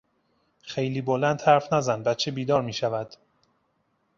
خیلی بلند حرف نزن بچه بیدار میشود.